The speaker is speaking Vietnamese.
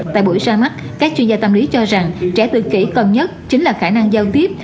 tại buổi ra mắt các chuyên gia tâm lý cho rằng trẻ tự kỷ còn nhất chính là khả năng giao tiếp